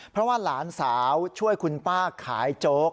เพราะว่าหลานสาวช่วยคุณป้าขายโจ๊ก